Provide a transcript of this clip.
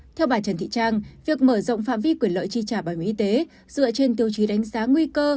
theo bà trần thị trang việc mở rộng phạm vi quyền lợi tri trả bài mưu y tế dựa trên tiêu trí đánh giá nguy cơ